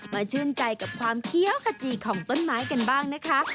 ชื่นใจกับความเคี้ยวขจีของต้นไม้กันบ้างนะคะ